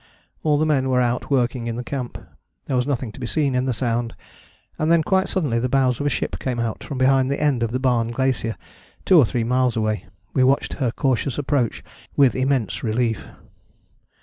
All the men were out working in the camp. There was nothing to be seen in the Sound, and then, quite suddenly, the bows of the ship came out from behind the end of the Barne Glacier, two or three miles away. We watched her cautious approach with immense relief.